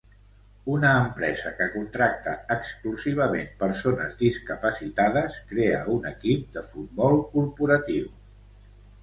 Una empresa que contracta exclusivament persones discapacitades crea un equip de futbol corporatiu.